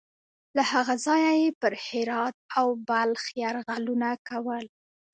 له هغه ځایه یې پر هرات او بلخ یرغلونه کول.